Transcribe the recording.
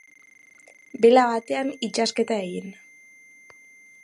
Bela betean itsasketa egin.